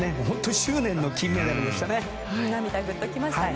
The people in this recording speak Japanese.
執念の金メダルでしたね。